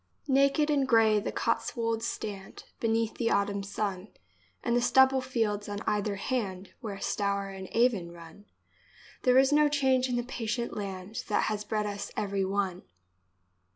Naked and grey the Cotswolds stand Before Beneath the autumn sun, Edgehill And the stubble fields on either hand October Where Stour and Avon run, 1642. There is no change in the patient land That has bred us every one.